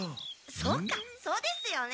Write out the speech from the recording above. そっかそうですよね。